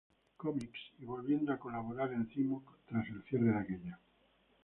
Comics, y volviendo a colaborar en Cimoc tras el cierre de aquella.